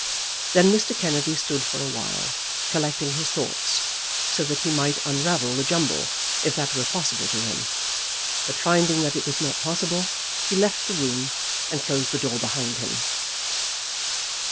Then Mr. Kennedy stood for awhile, collecting his thoughts, so that he might unravel the jumble, if that were possible to him; but finding that it was not possible, he left the room, and closed the door behind him.